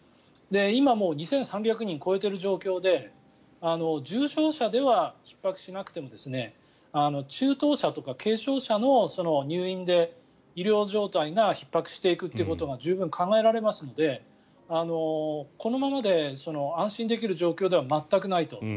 今、もう２３００人を超えている状況で重症者ではひっ迫しなくても中等者とか軽症者の入院で医療状態がひっ迫していくということが十分考えられますのでこのままで安心できる状況では全くないと。